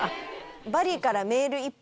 バリからメール１本。